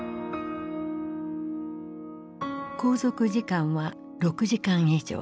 航続時間は６時間以上。